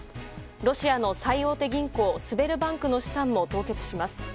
ロシアの最大手銀行ズベルバンクの資産も凍結します。